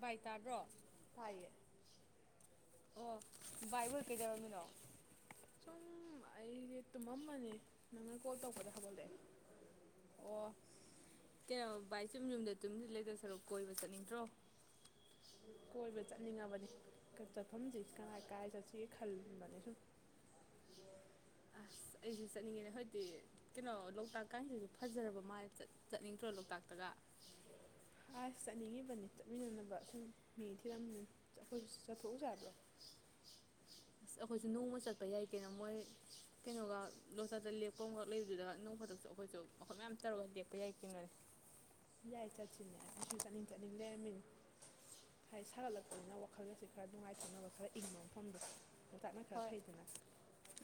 ꯚꯥꯏ ꯇ꯭ꯥꯕ꯭ꯔꯣ ꯑꯣ ꯇꯥꯏꯌꯦ ꯕꯥꯏ ꯑꯣꯏ ꯀꯩꯗꯧꯔꯝꯃꯤꯅꯣ ꯁꯨꯝ ꯑꯩꯒꯤ ꯇꯨꯝꯑꯝꯃꯅꯤ ꯅꯪꯅ ꯀꯣꯜ ꯇꯧꯄꯗꯩ ꯍꯧꯒꯩꯂꯦ ꯑꯣ ꯀꯩꯅꯣ ꯚꯏ ꯆꯨꯝ ꯌꯨꯝꯗ ꯆꯨꯝꯁꯤꯂ ꯁꯔꯨꯛ ꯀꯣꯏꯕ ꯆꯠꯅꯤꯡꯗ꯭ꯔꯣ ꯀꯣꯏꯕ ꯆꯠꯅꯤꯡꯉꯕꯅꯤ ꯆꯠꯐꯝꯁꯤ ꯀꯔꯥꯏ ꯀꯔꯥꯏ ꯆꯠꯁꯤꯒꯦ ꯈꯟꯕꯅꯦ ꯁꯨꯝ ꯑꯁ ꯑꯩꯗꯤ ꯆꯠꯅꯤꯡꯉꯤꯅꯦ ꯍꯧꯖꯤꯗꯤ ꯀꯩꯅꯣ ꯂꯣꯛꯇꯥꯛꯀꯥꯏꯁꯤꯁꯨ ꯐꯖꯔꯕ ꯃꯥꯜꯂꯦ ꯆꯠꯅꯤꯡꯗ꯭ꯔꯣ ꯂꯣꯛꯇꯥꯛꯇꯒ ꯑꯁ ꯆꯠꯅꯤꯡꯉꯤꯕꯅꯤ ꯆꯠꯃꯤꯟꯅꯅꯕ ꯁꯨꯝ ꯃꯤ ꯊꯤꯔꯝꯃꯤꯅ ꯑꯩꯈꯣꯏꯁꯨ ꯆꯠꯊꯣꯛꯎꯁꯦ ꯍꯥꯏꯕ꯭ꯔꯣ ꯑꯁ ꯑꯩꯈꯣꯏꯁꯨ ꯅꯣꯡꯃ ꯆꯠꯄ ꯌꯥꯏ ꯀꯩꯅꯣ ꯃꯣꯏ ꯀꯩꯅꯣꯒ ꯂꯣꯛꯆꯥꯛꯠꯇ ꯂꯦꯛꯄ ꯑꯃꯈꯛ ꯂꯩꯕꯗꯨꯗ ꯅꯣꯡ ꯈꯛꯇꯁꯨ ꯑꯩꯈꯣꯏꯁꯨ ꯃꯈꯐꯝ ꯃꯌꯥꯝ ꯇꯧꯔꯒ ꯂꯦꯛꯄ ꯌꯥꯏ ꯀꯩꯅꯣ ꯌꯥꯏ ꯆꯠꯁꯤꯅꯦ ꯑꯩꯁꯨ ꯆꯥꯅꯤꯡ ꯆꯠꯅꯤꯡ ꯂꯩꯔꯝꯃꯤꯅꯤ ꯍꯥꯏ ꯁꯥꯒꯠꯂꯛꯄꯅꯤꯅ ꯋꯥꯈꯜꯒꯁꯤ ꯈꯔ ꯅꯨꯡꯉꯥꯏꯊꯣꯛꯅꯕ ꯈꯔ ꯏꯪꯕ ꯃꯐꯝꯗꯣ ꯂꯣꯛꯇꯥꯛꯅ ꯈꯔ ꯍꯣꯏ ꯐꯩꯗꯅ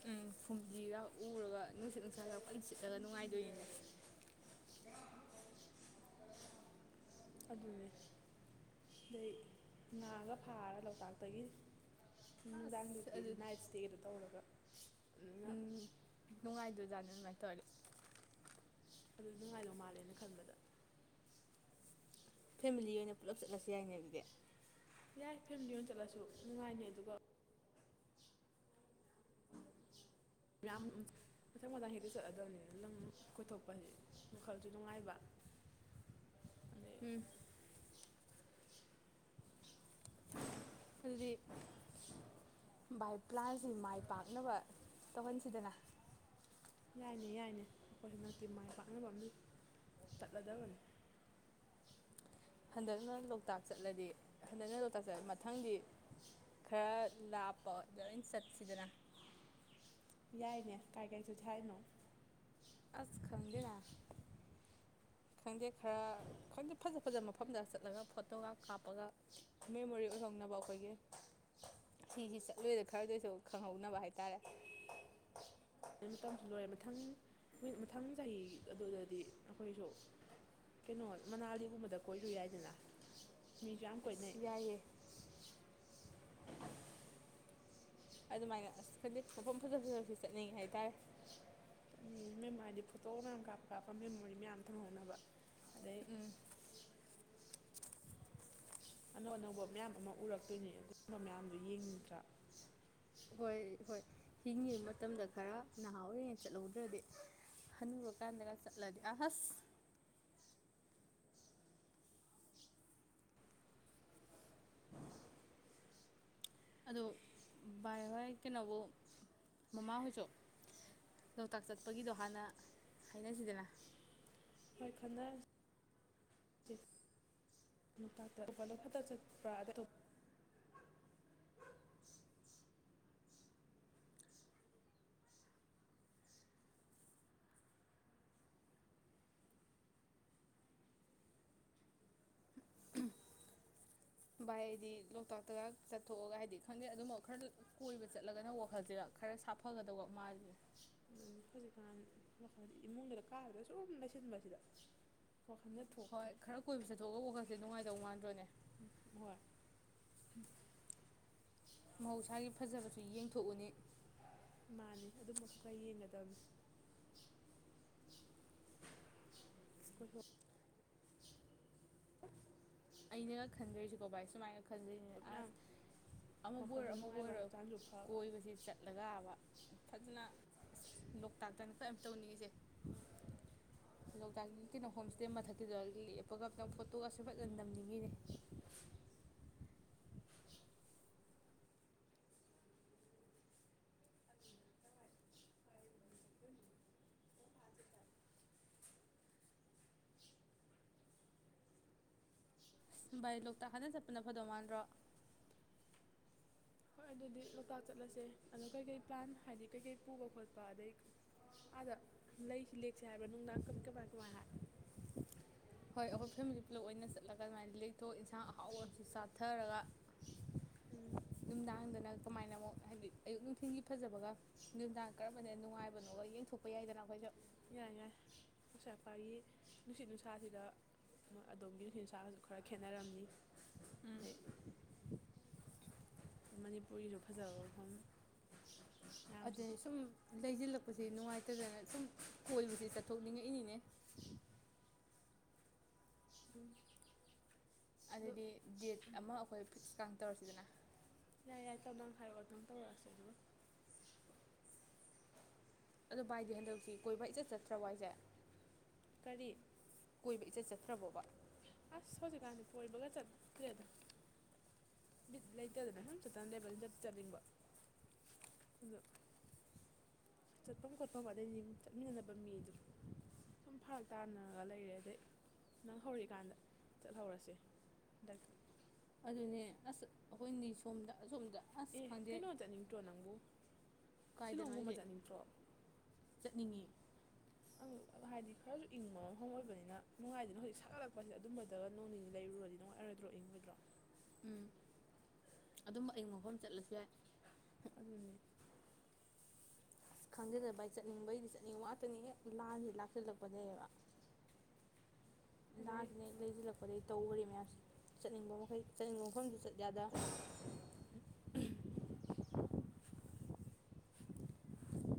ꯎꯝ ꯐꯨꯝꯗꯤꯒ ꯎꯔꯒ ꯅꯨꯡꯁꯤꯠ ꯅꯨꯡꯁꯥꯒ ꯐꯟ ꯁꯤꯠꯂꯒ ꯅꯨꯡꯉꯥꯏꯗꯣꯏꯅꯤꯅꯦ ꯑꯗꯨꯅꯦ ꯑꯗꯩ ꯉꯥꯒ ꯐꯥꯔ ꯂꯣꯛꯇꯥꯛꯇꯒꯤ ꯑꯁ ꯅꯨꯡꯗꯥꯡꯗꯨꯗꯤ ꯑꯗꯨ ꯅꯥꯏꯠ ꯏꯁꯇꯦꯗꯣ ꯇꯧꯔꯒ ꯑꯗꯨꯅ ꯎꯝ ꯅꯨꯡꯉꯥꯏꯗ ꯖꯥꯠꯅꯤ ꯑꯗꯨꯃꯥꯏꯅ ꯇꯧꯔꯒꯦ ꯑꯗꯨ ꯅꯨꯡꯉꯥꯏꯗꯧ ꯃꯥꯜꯂꯦꯅ ꯈꯟꯕꯗ ꯐꯦꯃꯤꯂꯤ ꯑꯣꯏꯅ ꯄꯨꯂꯞ ꯆꯠꯂꯁꯤ ꯌꯥꯏꯅꯦ ꯑꯗꯨꯗꯤ ꯌꯥꯏ ꯐꯦꯃꯤꯂꯤ ꯑꯣꯏꯅ ꯆꯠꯂꯁꯨ ꯅꯨꯡꯉꯥꯏꯅꯤ ꯑꯗꯨꯒ ꯃꯌꯥꯝ ꯃꯊꯪ ꯃꯊꯪ ꯍꯦꯛꯇ ꯆꯠꯂꯗꯕꯅꯤꯅ ꯂꯝ ꯀꯣꯏꯊꯣꯛꯄꯁꯤ ꯃꯈꯜꯁꯨ ꯅꯨꯡꯉꯥꯏꯕ ꯑꯗꯩ ꯎꯝ ꯑꯗꯨꯗꯤ ꯕꯥꯏ ꯄ꯭ꯂꯥꯟꯁꯤ ꯃꯥꯏ ꯄꯥꯛꯅꯕ ꯇꯧꯍꯟꯁꯤꯗꯅ ꯌꯥꯏꯅꯦ ꯌꯥꯏꯅꯦ ꯑꯩꯈꯣꯏ ꯍꯟꯗꯛꯇꯤ ꯃꯥꯏ ꯄꯥꯛꯅꯕ ꯑꯝ ꯆꯠꯂꯗꯕꯅꯤ ꯍꯟꯗꯛꯅ ꯂꯣꯛꯇꯥꯛ ꯆꯠꯂꯗꯤ ꯍꯟꯗꯛꯅ ꯂꯣꯛꯇꯥꯛ ꯆꯠꯂꯗꯤ ꯃꯊꯪꯗꯤ ꯈꯔ ꯂꯥꯞꯄꯗꯥ ꯑꯣꯏꯅ ꯆꯠꯁꯤꯗꯅ ꯌꯥꯏꯅꯦ ꯀꯥꯏ ꯀꯥꯏ ꯆꯠꯁꯤ ꯍꯥꯏꯅꯣ ꯑꯁ ꯈꯪꯗꯦꯗ ꯈꯪꯗꯦ ꯈꯔ ꯈꯪꯗꯦ ꯐꯖ ꯐꯖꯕ ꯃꯐꯝꯗ ꯆꯠꯂꯒ ꯐꯣꯇꯣꯒ ꯀꯥꯞꯄꯒ ꯃꯦꯃꯣꯔꯤ ꯑꯣꯏꯍꯧꯅꯕ ꯑꯩꯈꯣꯏꯒꯤ ꯁꯤꯁꯤ ꯆꯠꯂꯣꯏꯗ ꯈꯔꯗ ꯑꯣꯏꯁꯨ ꯈꯪꯍꯧꯅꯕ ꯍꯥꯏꯇꯥꯔꯦ ꯃꯇꯝꯁꯨ ꯂꯣꯏꯔꯦ ꯃꯊꯪ ꯃꯊꯪ ꯆꯍꯤ ꯑꯗꯨꯗꯗꯤ ꯑꯩꯈꯣꯏꯁꯨ ꯀꯩꯅꯣ ꯃꯅꯥꯂꯤꯒꯨꯝꯕꯗ ꯀꯣꯏꯔꯨ ꯌꯥꯏꯗꯅ ꯃꯤꯁꯨ ꯌꯥꯝ ꯑꯁ ꯀꯣꯏꯅꯩ ꯌꯥꯏꯌꯦ ꯑꯗꯨꯃꯥꯏꯅ ꯑꯁ ꯈꯪꯗꯦ ꯃꯐꯝ ꯐꯖꯥ ꯐꯖꯕꯁꯤ ꯆꯠꯅꯤꯡꯉꯤ ꯍꯥꯏꯇꯥꯔꯦ ꯈꯪꯗꯦ ꯃꯗꯤ ꯐꯣꯇꯣ ꯃꯌꯥꯝ ꯀꯥꯞꯄ ꯀꯥꯞꯄ ꯃꯦꯃꯣꯔꯤ ꯃꯌꯥꯝ ꯊꯝꯍꯧꯅꯕ ꯑꯗꯩ ꯎꯝ ꯑꯅꯧ ꯑꯅꯧꯕ ꯃꯌꯥꯝ ꯑꯃ ꯎꯔꯛꯇꯣꯏꯅꯤ ꯑꯗꯨꯒꯨꯝꯕ ꯃꯌꯥꯝꯗꯨ ꯌꯦꯡꯅꯤꯡꯗ꯭ꯔꯥ ꯍꯣꯏ ꯍꯣꯏ ꯍꯤꯡꯉꯤꯕ ꯃꯇꯝꯗ ꯈꯔ ꯅꯍꯥ ꯑꯣꯏꯔꯤꯉꯩ ꯆꯠꯍꯧꯗ꯭ꯔꯗꯤ ꯍꯅꯨꯔꯀꯥꯟꯗꯒ ꯆꯠꯂꯗꯤ ꯑ ꯍꯁ ꯑꯗꯣ ꯚꯥꯏ ꯍꯣꯏ ꯀꯩꯅꯣꯕꯨ ꯃꯃꯥꯍꯣꯏꯁꯨ ꯂꯣꯛꯇꯥꯛ ꯆꯠꯄꯒꯤꯗꯣ ꯍꯥꯟꯅ ꯍꯥꯏꯅꯁꯤꯗꯅ ꯍꯣꯏ ꯈꯟꯅꯁꯤ ꯂꯣꯛꯇꯇ ꯎꯄꯂꯣ ꯈꯛꯇ ꯆꯠꯄ꯭ꯔꯥ ꯚꯥꯏ ꯑꯩꯗꯤ ꯂꯣꯛꯇꯥꯛꯇꯒ ꯆꯠꯊꯣꯛꯑꯒ ꯍꯥꯏꯗꯤ ꯈꯪꯗꯦ ꯑꯗꯨꯃꯛ ꯈꯔ ꯀꯣꯏꯕ ꯆꯠꯂꯒꯅ ꯋꯥꯈꯜꯁꯤꯒ ꯈꯔ ꯁꯥꯐꯒꯗꯧꯕ ꯃꯥꯜꯂꯤ ꯍꯧꯖꯤꯛꯀꯥꯟ ꯃꯈꯜ ꯏꯃꯨꯡꯗꯨꯗ ꯀꯥꯕꯗ ꯁꯨꯝ ꯂꯩꯁꯤꯟꯕꯁꯤꯗ ꯋꯥꯈꯜꯗ ꯍꯣꯏ ꯊꯣꯛꯇ꯭ꯔꯦ ꯈꯔ ꯀꯣꯏꯕ ꯆꯠꯊꯣꯛꯑꯒ ꯋꯥꯈꯟꯁꯤ ꯅꯨꯡꯉꯥꯏꯗꯧ ꯃꯥꯟꯗ꯭ꯔꯣꯅꯦ ꯍꯣꯏ ꯃꯍꯧꯁꯥꯒꯤ ꯐꯖꯕꯁꯨ ꯌꯦꯡꯊꯣꯛꯎꯅꯤ ꯃꯥꯅꯦ ꯑꯗꯨꯝꯕ ꯈꯔ ꯌꯦꯡꯒꯗꯕꯅꯤ ꯍꯣꯏ ꯍꯣꯏ ꯑꯩꯅ ꯒꯥ ꯈꯟꯖꯔꯤꯁꯦ ꯚꯥꯏ ꯁꯨꯃꯥꯏꯅ ꯈꯟꯖꯩꯅꯦ ꯃꯌꯥꯝ ꯑꯁ ꯑꯃꯕꯨ ꯑꯣꯏꯔꯣ ꯋꯥꯈꯜꯁꯨ ꯑꯃꯕꯨ ꯅꯨꯡꯉꯥꯏꯕ ꯑꯣꯏꯔꯣ ꯍꯛꯆꯥꯡꯁꯨ ꯐꯕ ꯀꯣꯏꯕꯁꯤ ꯆꯠꯂꯒꯕ ꯐꯖꯅ ꯑꯁ ꯂꯣꯛꯇꯥꯛꯇꯅ ꯀ ꯇꯧꯅꯤꯡꯉꯤꯁꯦ ꯂꯣꯛꯇꯥꯛꯀꯤ ꯀꯩꯅꯣꯐꯝꯁ ꯃꯊꯛꯇꯨꯗꯒꯤ ꯂꯦꯞꯄꯒ ꯐꯣꯇꯣꯒꯁꯨ ꯐꯖꯅ ꯅꯝ ꯅꯝꯅꯤꯡꯉꯤꯅꯦ ꯚꯥꯏ ꯂꯣꯛꯇꯥꯛ ꯍꯅ ꯆꯠꯄꯅ ꯐꯗꯧ ꯃꯥꯟ꯭ꯔꯣ ꯍꯣꯏ ꯑꯗꯨꯗꯤ ꯂꯣꯛꯇꯥꯛ ꯆꯠꯂꯁꯦ ꯑꯗꯣ ꯀꯩꯀꯩ ꯄ꯭ꯂꯥꯟ ꯍꯥꯏꯗꯤ ꯀꯩꯀꯩ ꯄꯨꯕ ꯈꯣꯠꯄ ꯑꯗꯩ ꯑꯥꯗ ꯂꯩꯁꯤ ꯂꯦꯛꯁꯦ ꯍꯥꯏꯕ꯭ꯔꯥ ꯅꯨꯡꯗꯥꯡ ꯀꯃꯥꯏ ꯀꯃꯥꯏ ꯍꯥꯏ ꯍꯣꯏ ꯑꯩꯈꯣꯏ ꯐꯦꯃꯤꯂꯤ ꯄꯨꯂꯞ ꯑꯣꯏꯅ ꯆꯠꯂꯒ ꯑꯗꯨꯃꯥꯏꯅ ꯂꯩꯊꯣꯛ ꯌꯦꯟꯁꯥꯡ ꯑꯍꯥꯎꯁꯨ ꯆꯥꯊꯔꯒ ꯎꯝ ꯅꯨꯡꯗꯥꯡꯗꯅ ꯀꯃꯥꯏꯅ ꯑꯃꯨꯛ ꯍꯥꯏꯗꯤ ꯑꯌꯨꯛ ꯅꯨꯡꯊꯤꯜꯒꯤ ꯐꯖꯕꯒ ꯅꯨꯃꯤꯗꯥꯡ ꯀꯔꯝꯕꯅ ꯅꯨꯡꯉꯥꯏꯕꯅꯣꯒ ꯌꯦꯡꯊꯣꯛꯄ ꯌꯥꯏꯗꯅ ꯑꯩꯈꯣꯏꯁꯨ ꯌꯥꯏ ꯌꯥꯏ ꯎꯆꯥꯥ ꯑꯄꯥꯒꯤ ꯅꯨꯡꯁꯤꯠ ꯅꯨꯡꯁꯥꯁꯤꯗ ꯑꯗꯣꯝꯒꯤ ꯅꯨꯡꯁꯤꯠ ꯅꯨꯡꯁꯥꯁꯨ ꯈꯔ ꯈꯦꯠꯅꯔꯝꯅꯤ ꯎꯝ ꯑꯗꯩ ꯃꯅꯤꯄꯨꯔꯤꯁꯨ ꯐꯖꯕ ꯃꯐꯝ ꯃꯌꯥꯝꯁꯦ ꯑꯗꯩ ꯁꯨꯝ ꯂꯩꯁꯤꯜꯂꯛꯄꯁꯦ ꯅꯨꯡꯉꯥꯏꯇꯗꯅ ꯁꯨꯝ ꯀꯣꯏꯕꯕꯁꯤ ꯆꯠꯊꯣꯛꯅꯤꯡꯉꯛꯏꯅꯤꯅꯦ [inaudible] ꯎꯝ ꯑꯗꯣ ꯑꯗꯨꯗꯤ ꯗꯦꯠ ꯑꯃ ꯑꯩꯈꯣꯏ ꯐꯤꯛꯁ ꯀꯥꯡ ꯇꯧꯔꯥꯁꯤꯗꯅ ꯌꯥꯏ ꯌꯥꯏ ꯇꯝ ꯇꯝ ꯍꯥꯏꯔꯛꯑꯣ ꯑꯗꯨꯝ ꯇꯧꯔꯥꯁꯤ ꯑꯗꯨꯒꯥ ꯑꯗꯣ ꯚꯥꯏꯗꯤ ꯍꯟꯗꯛꯁꯤ ꯀꯣꯏꯕ ꯏꯆꯠ ꯆꯠꯇ꯭ꯔꯕ ꯍꯥꯏꯁꯦ ꯀꯔꯤ ꯀꯣꯏꯕ ꯏꯆꯠ ꯆꯠꯇ꯭ꯔꯕꯣꯕ ꯑꯁ ꯍꯧꯖꯤꯛꯀꯥꯟꯗꯤ ꯀꯣꯏꯕꯒ ꯆꯠꯇ꯭ꯔꯦꯗ ꯕꯤꯠ ꯂꯩꯇꯗꯅ ꯁꯨꯝ ꯆꯠꯇꯅ ꯂꯩꯕꯅꯤꯅꯥ ꯆꯠꯅꯤꯡꯕ ꯑꯗꯨꯁꯨ ꯆꯠꯐꯝ ꯈꯣꯠꯄ ꯑꯗꯩꯗꯤ ꯆꯠꯃꯤꯟꯅꯅꯕ ꯃꯤꯗꯣ ꯁꯨꯝ ꯐꯔꯛ ꯇꯥꯅꯔꯒ ꯂꯩꯔꯦ ꯑꯗꯩ ꯅꯪ ꯍꯧꯔꯛꯏꯀꯥꯟꯗ ꯆꯠꯍꯧꯔꯁꯤ ꯁꯦ ꯍꯟ ꯗꯛꯇꯤ ꯑꯗꯨꯅꯦ ꯑꯁ ꯑꯩꯈꯣꯏꯅꯤ ꯁꯣꯝꯗ ꯑꯁꯣꯝꯗ ꯑꯁ ꯑꯦ ꯈꯪꯗꯦ ꯀꯩꯅꯣ ꯆꯠꯅꯤꯡꯗ꯭ꯔꯣ ꯅꯪꯕꯨ ꯀꯥꯏꯗꯅꯣ ꯁꯤꯂꯣꯡꯒꯨꯝꯕ ꯑꯩꯁꯦ ꯆꯠꯅꯤꯡꯗ꯭ꯔꯣ ꯆꯠꯅꯤꯡꯉꯤ ꯑ ꯍꯥꯏꯗꯤ ꯈꯔꯁꯨ ꯏꯪꯕ ꯃꯐꯝ ꯑꯣꯏꯕꯅꯤꯅ ꯅꯨꯡꯉꯥꯏꯗꯅ ꯍꯧꯖꯤꯛ ꯁꯥꯒꯠꯂꯛꯄꯁꯤꯗ ꯑꯗꯨꯝꯕꯗꯒ ꯅꯣꯡ ꯅꯤꯅꯤ ꯂꯩꯔꯨꯔꯗꯤ ꯅꯨꯡꯉꯥꯏꯔꯣꯏꯗ꯭ꯔꯣ ꯏꯪꯉꯣꯏꯗ꯭ꯔꯣ ꯎꯝ ꯑꯗꯨꯝ ꯑꯌꯤꯡ ꯃꯐꯝ ꯆꯠꯂꯁꯨ ꯌꯥꯏ ꯑꯗꯨꯅꯦ ꯑꯁ ꯈꯪꯖꯗꯦꯗ ꯕꯥꯏ ꯆꯠꯅꯤꯡꯕꯩꯗꯤ ꯆꯠꯅꯤꯡ ꯉꯥꯇꯅꯤ ꯍꯦꯛ ꯂꯥꯟꯁꯤ ꯂꯥꯛꯁꯤꯜꯂꯛꯄꯗꯩ ꯕ ꯑꯗꯩ ꯂꯥꯟꯁꯤꯅꯥ ꯍꯦꯛ ꯂꯩꯁꯤꯜꯂꯛꯄꯗꯒꯤꯩ ꯇꯧꯈ ꯆꯠꯅꯤꯡꯕ ꯃꯈꯩ ꯆꯠꯅꯤꯡꯕ ꯃꯐꯝꯗꯨ ꯆꯠ ꯌꯥꯗ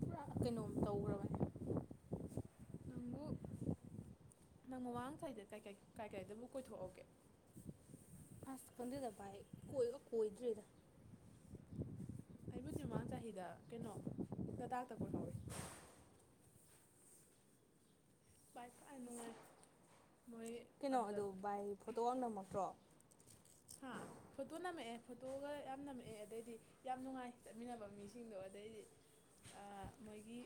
ꯄꯨꯔꯥ ꯀꯩꯅꯣꯝ ꯇꯧꯈ꯭ꯔꯕꯅꯦ ꯅꯪꯕꯨ ꯅꯪ ꯃꯃꯥꯡ ꯆꯍꯤꯗꯥ ꯀꯥꯏ ꯀꯥꯏ ꯀꯥꯏ ꯀꯥꯏꯗꯕꯨ ꯀꯣꯏꯊꯣꯛꯍꯧ ꯒꯦ ꯈꯪꯗꯦ ꯗ ꯚꯥꯏ ꯀꯣꯏꯒ ꯀꯣꯏꯗ꯭ꯔꯤꯗ ꯑꯩꯕꯨꯗꯤ ꯃꯥꯡ ꯆꯍꯤꯗ ꯀꯩꯅꯣ ꯂꯇꯥꯛꯇ ꯀꯣꯏꯍꯧꯏ ꯅꯨꯡꯉꯥꯏ ꯃꯣꯏ ꯀꯩꯅꯣ ꯑꯗꯨꯗ ꯑꯗꯣ ꯚꯥꯏ ꯐꯣꯇꯣꯒ ꯅꯝꯃꯛꯇ꯭ꯔꯣ ꯍꯥ ꯐꯣꯇꯣ ꯅꯝꯃꯛꯑꯦ ꯐꯣꯇꯣꯒ ꯌꯥꯝ ꯅꯝꯃꯛꯑꯦ ꯑꯗꯩꯗꯤ ꯌꯥꯝ ꯅꯨꯡꯉꯥꯏ ꯆꯠꯃꯤꯟꯅꯕ ꯃꯤꯁꯤꯡꯗꯣ ꯑꯗꯩꯗꯤ ꯃꯣꯏꯒꯤ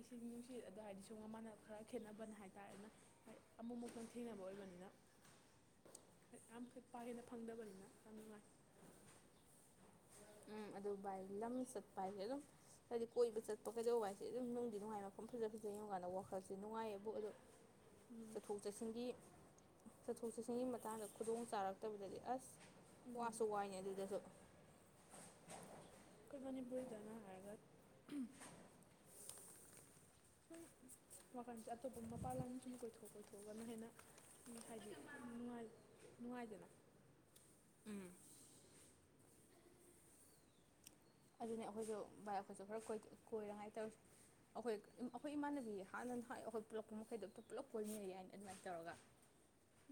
ꯏꯁꯤꯡ ꯅꯨꯡꯁꯤꯠ ꯑꯗꯣ ꯍꯥꯏꯗꯤ ꯁꯣ ꯃ ꯃꯥꯟꯅꯕ ꯈꯔ ꯈꯦꯠꯅꯕꯅ ꯍꯥꯏꯇꯥꯥꯔꯦꯅ ꯍꯥꯏ ꯑꯃꯨꯃꯨꯛꯇꯪ ꯊꯦꯡꯅꯕ ꯑꯣꯏꯕꯅꯤꯅ ꯌꯥꯝ ꯀꯥ ꯍꯦꯟꯅ ꯐꯪꯗꯕꯅꯤꯅ ꯌꯥꯝ ꯅꯨꯡꯉꯥꯏ ꯎꯝ ꯑꯗꯨ ꯚꯥꯏ ꯂꯝ ꯆꯠꯄ ꯍꯥꯏꯁꯦ ꯑꯗꯨꯝ ꯍꯥꯏꯗꯤ ꯀꯣꯏꯕ ꯆꯠꯄ ꯀꯩꯗꯧꯕ ꯍꯥꯏꯁꯦ ꯑꯗꯨꯝ ꯅꯨꯡꯗꯤ ꯅꯨꯡꯉꯥꯏ ꯃꯐꯝ ꯐꯖ ꯐꯖ ꯌꯦꯡꯉꯨꯀꯥꯟꯗ ꯋꯥꯈꯜꯁꯦ ꯅꯨꯡꯉꯥꯏꯌꯦꯕꯨ ꯑꯗꯣ ꯎꯝ ꯆꯠꯊꯣꯛ ꯆꯠꯁꯤꯟꯒꯤ ꯆꯠꯊꯣꯛ ꯆꯠꯁꯤꯟꯒꯤ ꯃꯇꯥꯡꯗ ꯈꯨꯗꯣꯡ ꯆꯥꯔꯛꯇꯕꯗꯗꯤ ꯑꯁ ꯎꯝ ꯋꯥꯁꯨ ꯋꯥꯏꯅꯦ ꯑꯗꯨꯗꯁꯨ ꯑꯩꯈꯣꯏ ꯃꯅꯤꯄꯨꯔꯗꯅ ꯍꯥꯏꯔꯒ ꯁꯨꯝ ꯋꯥꯈꯜꯁꯦ ꯑꯇꯣꯞꯄ ꯃꯄꯥꯟ ꯂꯝ ꯁꯨꯝ ꯀꯣꯏꯊꯣꯛ ꯀꯣꯏꯊꯣꯛꯑꯒꯅ ꯍꯦꯟꯅ ꯍꯥꯏꯗꯤꯅꯨꯡꯥꯏ ꯅꯨꯡꯉꯥꯏꯗꯅ ꯎꯝ ꯑꯗꯨꯅꯦ ꯑꯩꯈꯣꯏꯁꯨ ꯚꯥꯏ ꯑꯩꯈꯣꯏꯁꯨ ꯈꯔ ꯀꯣꯏꯔꯉꯥꯏ ꯇꯧꯔꯤꯁꯦ ꯑꯩꯈꯣꯏ ꯑꯩꯈꯣꯏ ꯏꯃꯥꯟꯅꯕꯤ ꯍꯥꯟꯅ ꯅꯍꯥꯟ ꯑꯩꯈꯣꯏ ꯄꯨꯜꯂꯛꯄ ꯃꯈꯩꯗꯣ ꯑꯝ ꯄꯨꯂꯞ ꯀꯣꯏꯃꯤꯟꯅꯩ ꯌꯥꯏꯅ ꯑꯗꯨꯃꯥꯏꯅ ꯇꯧꯔꯒ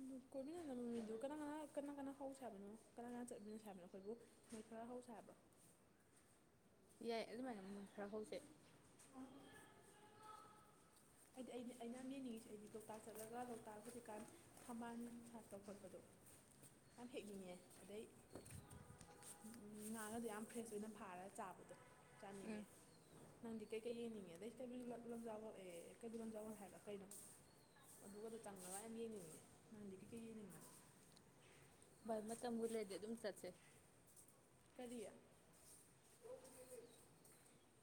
ꯑꯗꯨ ꯀꯣꯏꯃꯤꯅꯟꯕ ꯃꯤꯗꯨ ꯀꯅꯥ ꯀꯅꯥ ꯀꯅꯥ ꯀꯅꯥ ꯍꯧꯁꯥ ꯍꯥꯏꯕꯅꯣ ꯀꯅꯥ ꯀꯅꯥ ꯆꯠꯃꯤꯅꯁꯦ ꯍꯥꯏꯕꯅꯣ ꯑꯩꯈꯣꯏꯕꯨ ꯃꯣꯏ ꯈꯔ ꯍꯧꯁꯦ ꯍꯥꯏꯕꯔꯣ ꯌꯥꯏ ꯑꯗꯨꯃꯥꯏꯅ ꯃꯣꯏ ꯈꯔ ꯍꯧꯁꯦ ꯍꯥꯏꯗꯤ ꯑꯩꯅ ꯑꯩꯅ ꯌꯥꯝ ꯌꯦꯡꯅꯤꯡꯉꯤꯁꯦ ꯑꯩꯗꯤ ꯂꯣꯛꯇꯥꯛ ꯆꯠꯂꯒ ꯂꯣꯛꯇꯥꯛ ꯍꯧꯖꯤꯛꯀꯥꯟ ꯊꯝꯕꯥꯜ ꯁꯥꯠꯄ ꯈꯣꯠꯄꯗꯣ ꯌꯥꯝ ꯍꯦꯛꯅꯤꯡꯉꯦ ꯑꯗꯩ ꯉꯥꯒꯗꯣ ꯌꯥꯝ ꯐ꯭ꯔꯦꯁ ꯑꯣꯏꯅ ꯐꯥꯔ ꯆꯥꯕꯗꯣ ꯎꯝ ꯆꯥꯅꯤꯡꯉꯦ ꯅꯪꯗꯤ ꯀꯩꯀꯩ ꯌꯦꯡꯅꯤꯡꯉꯦ ꯑꯗꯩ ꯀꯩꯕꯨꯜ ꯂꯝꯖꯥꯎ ꯂꯑꯦ ꯀꯩꯕꯨꯂ ꯂꯝꯖꯥꯎ ꯍꯥꯏꯕ ꯀꯩꯅꯣ ꯑꯗꯨꯒꯗꯨ ꯆꯪꯉꯒ ꯌꯥꯝ ꯌꯦꯡꯅꯤꯡꯉꯦ ꯅꯪꯗꯤ ꯀꯩꯀꯩ ꯌꯦꯡꯅꯤꯡꯕꯅꯣ ꯚꯏ ꯃꯇꯝꯕꯨ ꯂꯩꯔꯗꯤ ꯑꯗꯨꯝ ꯆꯠꯁꯤ ꯀꯔꯤ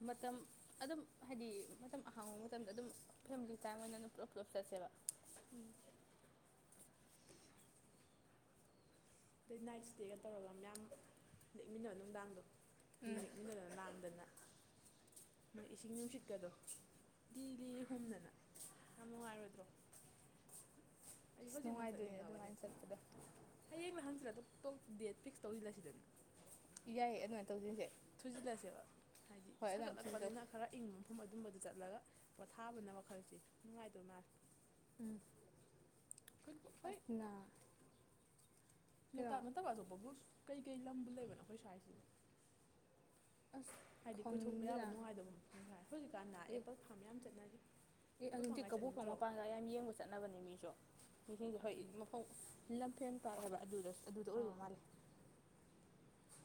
ꯃꯇꯝ ꯑꯗꯨꯝ ꯍꯥꯏꯗꯤ ꯃꯇꯝ ꯑꯍꯥꯡꯕ ꯃꯇꯝꯗ ꯑꯗꯨꯝ ꯐꯦꯃꯤꯂꯤ ꯇꯥꯏꯝ ꯑꯣꯏꯅ ꯑꯗꯨꯝ ꯄꯨꯂꯞ ꯄꯨꯂꯞ ꯆꯠꯁꯦꯕ ꯎꯝ ꯑꯗꯩ ꯅꯥꯏꯠ ꯏꯁꯇꯦꯒ ꯇꯧꯔꯒ ꯃꯌꯥꯝ ꯂꯦꯛꯃꯤꯟꯕ ꯃꯌꯥꯝꯗꯨ ꯂꯦꯛꯃꯤꯅꯗꯅ ꯂꯥꯡꯗꯅ ꯃꯣꯏ ꯏꯁꯤꯡ ꯅꯨꯡꯁꯤꯠꯀꯗꯣ ꯂꯤ ꯂꯤ ꯍꯨꯝꯗꯅ ꯌꯥꯝ ꯅꯨꯡꯉꯥꯏꯔꯣꯏꯗ꯭ꯔꯣ ꯑꯩ ꯑꯁ ꯍꯧꯖꯤꯛꯃꯛ ꯅꯨꯡꯉꯥꯏꯗꯣꯏꯅꯦ ꯆꯠꯅꯤꯡꯉꯕꯅꯤ ꯑꯗꯨꯃꯥꯏꯅ ꯆꯠꯄꯗꯣ ꯍꯌꯦꯡꯅ ꯍꯪꯁꯤꯜꯂ ꯇ ꯗꯦꯠ ꯐꯤꯛꯁ ꯇꯧꯁꯤꯜꯂꯁꯤꯗꯅ ꯌꯥꯏꯌꯦ ꯑꯗꯨꯃꯥꯏꯅ ꯇꯧꯁꯤꯁꯦ ꯊꯨꯖꯤꯜꯂꯁꯦꯕ ꯍꯥꯏꯗꯤ ꯍꯣꯏ ꯑꯗꯨꯃꯥꯏꯅ ꯇꯧꯁꯤ ꯁꯥꯒꯠꯂꯛꯄꯅꯤꯅ ꯇꯧꯁꯤ ꯈꯔ ꯏꯪꯕ ꯃꯐꯝ ꯑꯗꯨꯝꯕꯗꯨ ꯆꯠꯂꯒ ꯄꯣꯊꯥꯕꯅ ꯋꯥꯈꯜꯁꯤ ꯅꯨꯡꯉꯥꯏꯗꯧ ꯃꯥꯜꯂꯤ ꯎꯝ ꯍꯣꯏ ꯎꯏ ꯅ ꯂꯣꯛꯇꯥꯛ ꯅꯠꯇꯕ ꯑꯇꯣꯞꯄꯕꯨ ꯀꯩꯀꯩ ꯂꯝꯕꯨ ꯂꯩꯕꯅꯣ ꯑꯩꯈꯣꯏ ꯁ꯭ꯋꯥꯏꯁꯤ ꯑꯁ ꯍꯥꯏꯗꯤ ꯀꯣꯏꯊꯣꯛꯄ ꯌꯥꯕ ꯈꯪꯗꯦꯗ ꯅꯨꯡꯉꯥꯏꯗꯕ ꯃꯐꯝ ꯈꯔ ꯍꯧꯖꯤꯛꯀꯥꯟꯗ ꯑꯦ ꯑꯦꯄꯜ ꯐꯥꯔꯝ ꯌꯥꯝ ꯆꯠꯅꯔꯤ ꯑꯦ ꯑꯦꯄꯜ ꯑꯗꯨꯗꯤ ꯐꯥꯔꯝꯒꯥ ꯀꯕꯣꯀ ꯆꯠꯅꯤꯡꯗ꯭ꯔꯣ ꯃꯤꯈꯩ ꯍꯣꯏ ꯑꯗꯨꯅꯤ ꯃꯈꯣꯡ ꯂꯝ ꯐꯦꯟ ꯄꯥꯠ ꯍꯥꯌꯕ ꯑꯗꯨꯗꯁꯨ ꯑꯗꯨꯗ ꯑꯣꯏꯕ ꯑꯥ ꯃꯥꯜꯂꯤ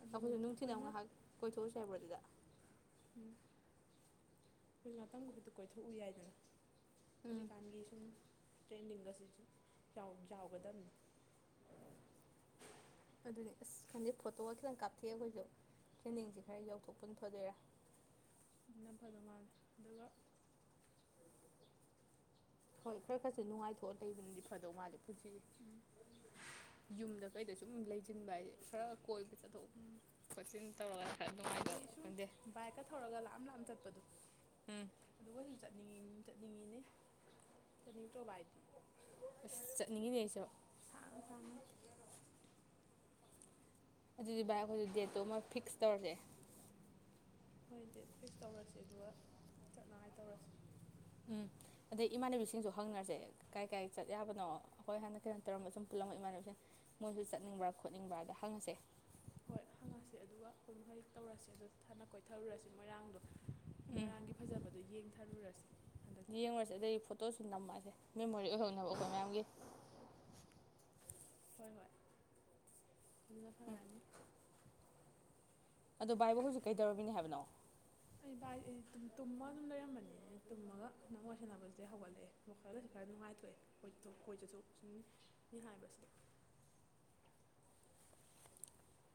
ꯑꯗꯨꯅꯤ ꯑꯩꯈꯣꯏꯁꯨ ꯅꯨꯡꯊꯤꯅꯗ ꯑꯃ ꯑꯩꯈꯣꯏꯅ ꯉꯥꯏꯍꯥꯛ ꯀꯣꯏꯊꯣꯛꯎꯁꯦ ꯍꯥꯏꯕ꯭ꯔꯣ ꯑꯗꯨꯗ ꯎꯝ ꯍꯣꯏ ꯉꯥꯛꯇꯪꯕꯥꯑꯣꯗꯤ ꯀꯣꯏꯊꯣꯛꯎ ꯌꯥꯏꯗꯅ ꯎꯝ ꯍꯧꯖꯤꯛꯀꯥꯟꯒꯤ ꯁꯨꯝ ꯇ꯭ꯔꯦꯟꯗꯤꯡ ꯒꯟꯁꯤꯁꯨ ꯌꯥꯎꯒꯗꯃꯅꯤ ꯑꯗꯨꯅꯤ ꯑꯁ ꯈꯟꯗꯦ ꯐꯣꯇꯣꯒ ꯈꯤꯇꯪ ꯀꯥꯞꯊꯦꯑ ꯑꯩꯈꯣꯏꯁꯨ ꯇ꯭ꯔꯦꯟꯅꯤꯡꯁꯦ ꯈꯔ ꯌꯎꯊꯣꯛꯄꯅ ꯐꯗꯣꯏꯔꯥ ꯑꯗꯨꯅ ꯐꯥꯗꯧ ꯃꯥꯜꯂꯤ ꯑꯗꯨꯒ ꯍꯣꯏ ꯐꯔ ꯈꯔꯁꯨ ꯅꯨꯡꯉꯥꯏꯊꯣꯛꯑ ꯂꯩꯕꯅꯗꯤ ꯐꯗꯧ ꯃꯥꯜꯂꯤ ꯄꯨꯅꯁꯤ ꯌꯨꯝꯗ ꯀꯩꯗ ꯁꯨꯝ ꯂꯩ ꯁꯤꯟꯕ ꯍꯥꯏꯁꯤ ꯈꯔ ꯀꯣꯏꯕ ꯆꯠꯊꯣꯛ ꯈꯣꯠꯆꯤꯟ ꯑꯗꯩ ꯁꯨꯝ ꯕꯥꯏꯛꯀ ꯊꯧꯔꯒ ꯂꯥꯞꯅ ꯂꯥꯞꯅ ꯆꯠꯄꯗꯣ ꯑꯗꯨꯒꯁꯨ ꯆꯠꯅꯤꯡꯉꯤ ꯆꯠꯅꯤꯡꯉꯤꯅꯦ ꯆꯠꯅꯤꯡꯇꯔꯣ ꯕꯍꯥꯏꯗꯤ ꯆꯠꯅꯤꯉꯤꯅꯤ ꯑꯩꯁꯨ ꯁꯥꯡꯅ ꯁꯥꯡꯅ ꯑꯗꯨꯗꯤ ꯚꯥꯏ ꯑꯩꯈꯣꯏ ꯗꯦꯠꯇꯣ ꯃꯣꯏ ꯐꯤꯛꯁ ꯇꯧꯔꯁꯦ꯫ ꯍꯣꯏ ꯗꯦꯠ ꯐꯤꯛꯁ ꯇꯧꯔꯁꯤ ꯑꯗꯨꯒ ꯆꯠꯅꯉꯥꯏ ꯇꯧꯔꯁꯤ꯫ ꯎꯝ ꯑꯗꯩ ꯏꯃꯥꯟꯅꯕꯤꯁꯤꯡꯁꯨ ꯍꯪꯅꯔꯁꯦ ꯀꯥꯏ ꯀꯥꯏ ꯆꯠ ꯌꯥꯕꯅꯣ ꯑꯩꯈꯣꯏ ꯍꯥꯟꯅ ꯀꯩꯅꯣ ꯇꯧꯔꯝꯕ ꯁꯨꯝ ꯄꯨꯜꯂꯝꯃ ꯏꯃꯥꯟꯅꯕꯤꯁꯤꯡ ꯃꯣꯏꯁꯨ ꯆꯠꯅꯤꯡꯕ꯭ꯔꯥ ꯈꯣꯠꯅꯤꯡꯕ꯭ꯔꯥꯗ ꯍꯪꯉꯁꯦ꯫ ꯍꯣꯏ ꯍꯪꯉꯁꯤ ꯑꯗꯨꯒ ꯍꯣꯏ ꯍꯩ ꯇꯧꯔꯁꯦ ꯑꯗꯨ ꯊꯅ ꯀꯣꯏ ꯊꯔꯨꯔꯁꯦ ꯃꯣꯏꯔꯥꯡꯗꯣ꯫ ꯎꯝ ꯃꯣꯏꯔꯥꯡꯒꯤ ꯐꯖꯕꯗꯣ ꯌꯦꯡꯊꯔꯨꯔꯁꯤ꯫ ꯍꯟꯗꯛ ꯌꯦꯡꯉꯨꯔꯁꯦ ꯑꯗꯩ ꯐꯣꯇꯣꯁꯨ ꯅꯝꯃꯛꯁꯦ ꯃꯦꯃꯣꯔꯤ ꯑꯣꯏꯍꯧꯅꯕ ꯑꯩꯈꯣꯏ ꯃꯌꯥꯝꯒꯤ꯫ ꯍꯣꯏ ꯍꯣꯏ꯫ ꯑꯗꯨꯅ ꯐꯔꯅꯤ꯫ ꯑꯣ ꯚꯥꯏꯕꯨ ꯍꯧꯖꯤꯛ ꯀꯩꯗꯧꯔꯕꯅꯤ ꯍꯥꯏꯕꯅꯣ꯫ ꯑꯩ ꯚꯥꯏ ꯑꯩ ꯇꯨꯝꯃ ꯑꯗꯨꯝ ꯂꯩꯔꯝꯕꯅꯤ ꯇꯨꯝꯃꯒ ꯅꯪ ꯋꯥꯔꯤ ꯁꯥꯟꯅꯕꯁꯤꯗꯤ ꯑꯩ ꯍꯧꯒꯠꯂꯛꯑꯦ ꯃꯈꯜꯗꯁꯤ ꯈꯔ ꯅꯨꯡꯉꯥꯏꯊꯣꯛꯑꯦ ꯀꯣꯏ [unintelligible] ꯍꯥꯏꯕꯁꯤꯗ꯫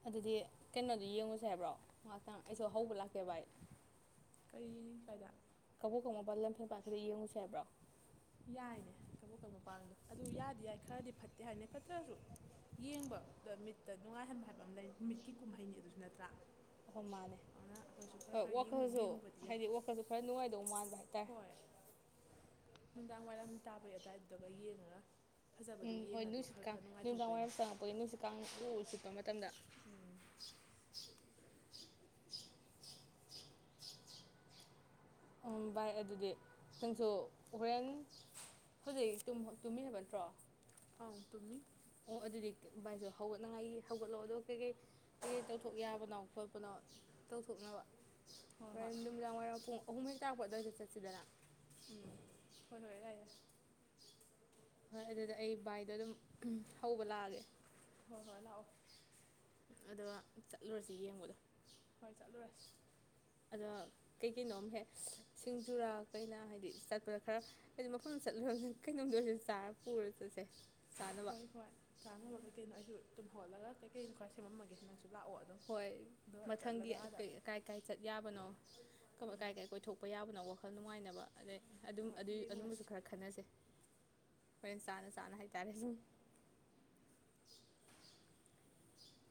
ꯑꯗꯨꯗꯤ ꯀꯩꯅꯣꯗꯨ ꯌꯦꯡꯉꯨꯁꯦ ꯍꯥꯏꯕ꯭ꯔꯣ ꯉꯥꯛꯇꯪ ꯑꯩꯁꯨ ꯍꯧꯕ ꯂꯥꯛꯀꯦ ꯚꯥꯏ꯫ ꯀꯔꯤ ꯀꯥꯏꯗ꯫ ꯀꯕꯣꯀꯪ ꯃꯄꯥꯜ ꯂꯝꯐꯦꯟ ꯄꯥꯠꯀꯤꯗꫭ ꯌꯦꯡꯉꯨꯁꯦ ꯍꯥꯏꯕ꯭ꯔꯣ꯫ ꯌꯥꯏꯅꯦ ꯀꯕꯣꯀꯪ ꯃꯄꯥꯟꯗꯣ ꯑꯗꯨ ꯌꯥꯗꯤ ꯌꯥꯏ ꯈꯔꯗꯤ ꯐꯠꯇꯦ ꯍꯥꯏꯅꯦ꯫ ꯇ꯭ꯔꯁꯨ ꯌꯦꯡꯕꯗ ꯃꯤꯠꯇ ꯅꯨꯡꯉꯥꯏꯍꯟꯕ ꯍꯥꯏꯕ ꯑꯃ ꯂꯩ ꯃꯤꯠꯀꯤ ꯀꯨꯝꯍꯩꯅꯤ ꯑꯗꯨꯁꯨ ꯅꯠꯇ꯭ꯔ꯫ ꯑꯣꯈꫭꯃꯥꯅꯦ ꯍꯣꯏ ꯌꯦꯡꯉꯨ ꯋꯥꯈꯜꯁꯨ ꯌꯦꯡꯉꯨꯕꯗꯤ ꯌꯥꯏ ꯍꯥꯏꯗꯤ ꯋꯥꯈꯜꯁꯨ ꯈꯔ ꯅꯨꯡꯉꯥꯏꯗꯧ ꯃꯥꯟꯕ ꯍꯥꯏꯗꯤ꯫ [unintelligible] ꯅꯨꯡꯗꯥꯡꯋꯥꯏꯔꯝ ꯇꯥꯕꯩ ꯑꯗꯨꯋꯥꯏꯗꯨꯗꯒ ꯌꯦꯡꯉꯒ꯫ ꯐꯖꯕꯗꯨ ꯎꯝ ꯍꯣꯏ ꯌꯦꯡꯉꯗꯤ ꯋꯥꯈꯜ ꯅꯨꯡꯁꯤꯠꯀꯥ ꯈꯔ ꯅꯨꯡꯉꯥꯏꯊꯣꯛꯇꯣꯏꯅꯤ ꯅꯨꯡꯗꯥꯡꯋꯥꯏꯔꯝ ꯆꯪꯉꯛꯄꯒꯤ ꯅꯨꯡꯁꯤꯠ ꯀꯥꯡ ꯎ ꯁꯤꯠꯄ ꯃꯇꯝꯗ꯫ ꯎꯝ꯫ ꯎꯝ ꯚꯥꯏ ꯑꯗꯨꯗꯤ ꯅꯪꯁꯨ ꯍꯣꯔꯦꯟ ꯍꯧꯖꯤꯛ ꯇꯨꯝꯃꯤ ꯍꯥꯏꯕ ꯅꯠꯇ꯭ꯔꯣ꯫ ꯑꯪ ꯇꯨꯝꯃꯤ ꯑꯣ ꯑꯗꯨꯗꯤ ꯚꯥꯏꯖꯣ꯫ ꯍꯧꯒꯠꯅꯉꯥꯏꯒꯤ ꯍꯧꯒꯠꯂꯣ ꯑꯗꯣ ꯀꯩꯀꯩ ꯀꯩꯀꯩ ꯇꯧꯊꯣꯛ ꯌꯥꯕꯅꯣ ꯈꯣꯠꯄꯅꯣ ꯇꯧꯊꯣꯛꯅꯕ꯫ ꯍꯣꯏ ꯍꯣꯏ ꯍꫭꯔꯦꯟ ꯅꯨꯃꯤꯗꯥꯡ ꯋꯥꯏꯔꯝ ꯄꯨꯡ꯫ ꯅꯨꯃꯤꯠ ꯇꯥꯔꯛꯄ ꯑꯗꯥꯏ ꯆꯠꯁꯤꯗꯅ꯫ ꯎꯝ ꯍꫭꯏ ꯍꫭꯏ ꯌꯥꯏ꯫ ꯍꯣꯏ ꯑꯗꯨꯗꯤ ꯑꯩ ꯕꯥꯏꯗꯣ ꯑꯗꯨꯝ ꯍꯧꯕ ꯂꯥꯛꯑꯒꯦ꯫ ꯍꫭꯏ ꯍꯣꯏ ꯂꯑꯣ꯫ ꯑꯗꯣ ꯆꯠꯂꯨꯔꯁꯤ ꯌꯦꯡꯕꯗꯣ꯫ ꯍꯣꯏ ꯆꯠꯂꯨꯔꯁꯤ ꯑꯗ ꯀꯩꯀꯩꯅꯣꯝ ꯍꯦꯛ ꯁꯤꯡꯖꯨꯔꯥ ꯀꯩꯅ ꯍꯥꯏꯗꯤ ꯆꯠꯄꯗ ꯈꯔ ꯍꯥꯏꯗꯤ ꯃꯐꯝꯗ ꯆꯠꯂꯨꯔ ꯀꯩꯅꯣꯝꯗ ꯑꯣꯏꯔꯁꯨ ꯆꯥꯔ ꯄꯨꯔ ꯆꯠꯁꯦ ꯆꯥꯅꯕ꯫ ꯇꯨꯝ ꯍꯣꯂꯒ ꯀꯩ ꯈꯣꯏꯔꯦ ꯁꯦꯃꯝꯃꯒꯦ꯫ ꯂꯥꯛꯑꯣ ꯑꯗꯨꯝ ꯍꯣꯏ ꯑꯗꯣ꯫ ꯃꯊꯪꯒꯤ ꯀꯥꯏ ꯀꯥꯏ ꯆꯠ ꯌꯥꯕꯅꯣ ꯀꯥꯏ ꯎꯝ ꯀꯥꯏ ꯀꯣꯏꯊꯣꯛꯄ ꯌꯥꯕ꯫ [unintelligible] ꯋꯥꯈꯜ ꯅꯨꯡꯉꯥꯏꯅꯕ ꯑꯗꯩ꯫ ꯑꯗꯨꯝ ꯍꯣꯏ ꯑꯗꯨꯏ ꯌꯦꯡꯉꯨꯔꯁꯤ ꯑꯗꯨꯝꯕꯁꯨ ꯈꯔ ꯈꯟꯅꯁꯦ꯫ ꯍꯣꯏ ꯆꯥꯅ ꯆꯅ ꯍꯥꯏ ꯇꯔꯦ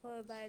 ꯍꯣꯏ ꯚꯥꯏ꯫